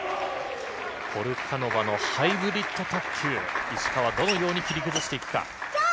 ポルカノバのハイブリッド卓球を石川、どう切り崩していくか。